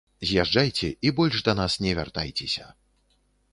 З'язджайце і больш да нас не вяртайцеся.